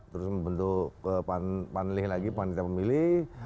terus membentuk panlih lagi panitia pemilih